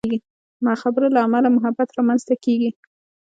د خبرو له امله محبت رامنځته کېږي.